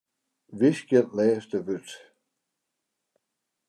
Wiskje lêste wurd.